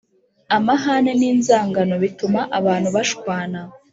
amahane n’inzangano bituma abantu bashwana